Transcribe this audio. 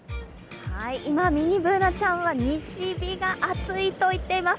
今、ミニＢｏｏｎａちゃんは西日が暑いと言っています。